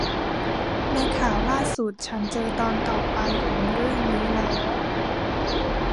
ในข่าวล่าสุด ฉันเจอตอนต่อไปของเรื่องนี้แล้ว